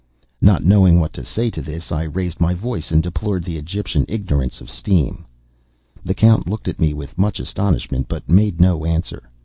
Not knowing what to say to this, I raised my voice, and deplored the Egyptian ignorance of steam. The Count looked at me with much astonishment, but made no answer.